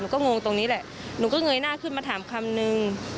ก็งงตรงนี้แหละหนูก็เงยหน้าขึ้นมาถามคำนึง